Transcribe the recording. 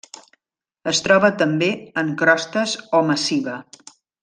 Es troba també en crostes o massiva.